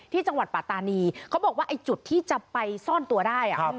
ที่จังหวัดปัตตานีเขาบอกว่าไอ้จุดที่จะไปซ่อนตัวได้